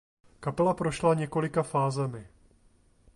Kapela prošla několika fázemi.